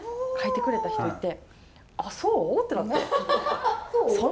書いてくれた人いて「あそう？」ってなって。